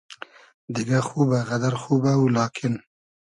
دیگۂ خوبۂ غئدئر خوبۂ او لاکین